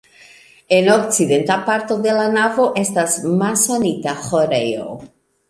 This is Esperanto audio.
En okcidenta parto de la navo estas masonita ĥorejo.